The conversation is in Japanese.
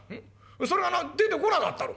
それがな出てこなかったろ。